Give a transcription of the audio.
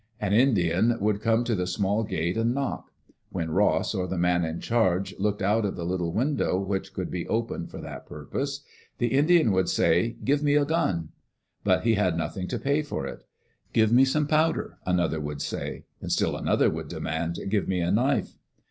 An Indian would come to the small gate, and knock. When Ross, or die man in charge, looked out of the little Digitized by CjOOQ IC EARLY DAYS IN OLD OREGON 'window which could be opened for that purpose, the Indian would say, *' Give me a gun." But he had nothing to pay for it. "Give me some powder," another would say. Still another would demand, "Give me a knife."